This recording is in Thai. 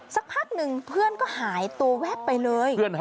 สักพักหนึ่งเพื่อนก็หายตัวแวบไปเลย